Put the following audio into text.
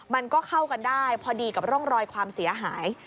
มันก็เข้ากันได้พอดีกับร่องรอยความเสียหาย